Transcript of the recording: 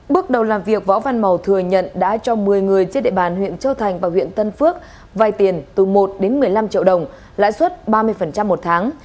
bước đầu làm việc võ văn màu thừa nhận đã cho một mươi người trên địa bàn huyện châu thành và huyện tân phước vay tiền từ một đến một mươi năm triệu đồng lãi suất ba mươi một tháng